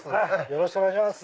よろしくお願いします。